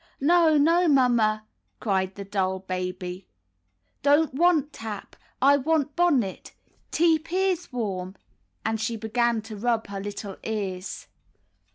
''No, no, Mamma," cried the doll baby. "Don't want tap. I want bonnet. Teep ears warm," and she began to rub her little ears.